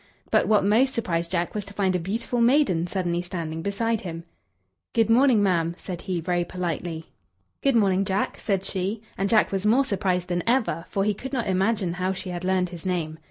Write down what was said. But what most surprised Jack was to find a beautiful maiden suddenly standing beside him. "Good morning, ma'am," said he, very politely. "Good morning, Jack," said she; and Jack was more surprised than ever, for he could not imagine how she had learned his name.